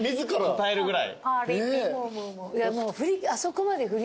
答えるぐらい？